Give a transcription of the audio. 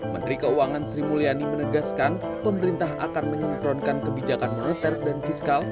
menteri keuangan sri mulyani menegaskan pemerintah akan menyengkronkan kebijakan moneter dan fiskal